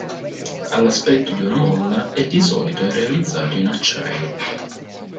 Ha l'aspetto di una molla e di solito è realizzato in acciaio.